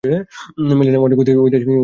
Manila অনেক ঐতিহাসিক নিদর্শনের সাক্ষী।